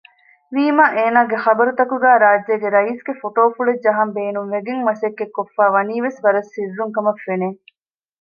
ވީމާ އޭނާގެ ޚަބަރުތަކުގައި ރާއްޖޭގެ ރައީސްގެ ފޮޓޯފުޅެއް ޖަހަން ބޭނުންވެގެން މަސައްކަތްކޮށްފައިވަނީވެސް ވަރަށް ސިއްރުންކަމަށްފެނެ